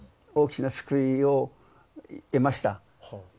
大きな救いを得ました。